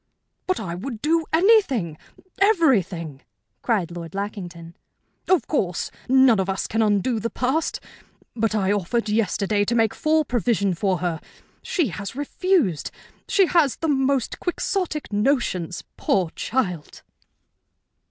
"But I would do anything everything!" cried Lord Lackington. "Of course, none of us can undo the past. But I offered yesterday to make full provision for her. She has refused. She has the most Quixotic notions, poor child!"